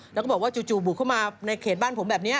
แล้วก็บอกว่าจู่บุกเข้ามาในเขตบ้านผมแบบนี้